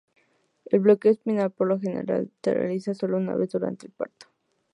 El bloqueo espinal por lo general se realiza solo una vez durante el parto.